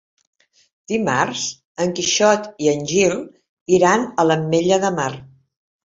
Dimarts en Quixot i en Gil iran a l'Ametlla de Mar.